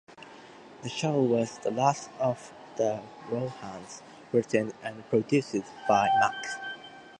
The show was "The Last of the Rohans", written and produced by Mack.